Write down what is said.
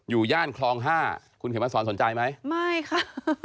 อยู่ย่านคลอง๕คุณเขมรสอนสนใจไหมไม่ค่ะไม่ค่ะ